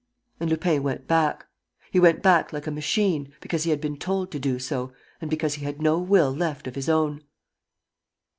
And Lupin went back. He went back like a machine, because he had been told to do so and because he had no will left of his own.